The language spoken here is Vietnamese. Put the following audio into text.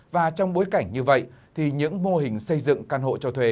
và trong bối cảnh như vậy thì những mô hình xây dựng căn hộ cho thuê